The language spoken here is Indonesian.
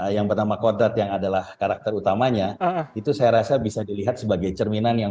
yang pertama kodrat yang adalah karakter utamanya itu saya rasa bisa dilihat sebagai cerminan yang